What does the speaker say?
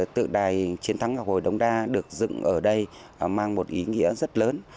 tượng đài chiến thắng ngọc hồi đống đa được dựng ở đây mang một ý nghĩa rất lớn